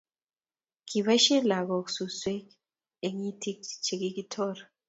Kiboisien lagok suswek eng' itik che kikitor